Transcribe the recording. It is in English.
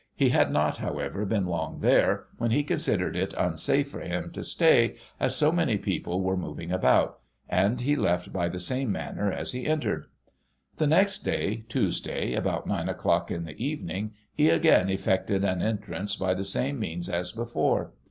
He had not, however, been long there, when he considered it unsafe for him to stay, as so many people were moving about ; and he left by the same manner as he entered. The next day, Tuesday, about nine o'clock in the evening, he again effected an entrance by the same means as before.